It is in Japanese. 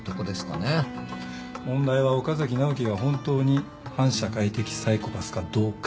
問題は岡崎直樹が本当に反社会的サイコパスかどうか。